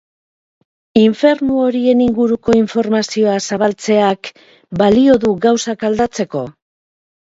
Infernu horien inguruko informazioa zabaltzeak balio du gauzak aldatzeko?